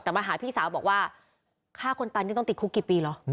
แต่มาหาพี่สาวบอกว่าฆ่าคนตายนี่ต้องติดคุกกี่ปีเหรอ